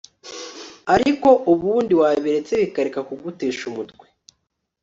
Ariko ubundi wabiretse bikareka kugutesha umutwe